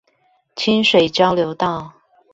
清水交流道